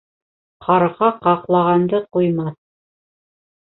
Ҡарға ҡаҡлағанды ҡуймаҫ.